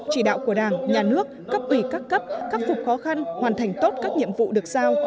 chỉ đạo của đảng nhà nước cấp ủy các cấp khắc phục khó khăn hoàn thành tốt các nhiệm vụ được sao